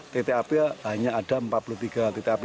titik api hanya ada empat puluh tiga titik api